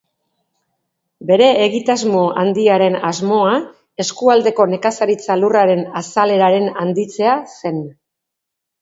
Bere egitasmo handiaren asmoa, eskualdeko nekazaritza lurraren azaleraren handitzea zen.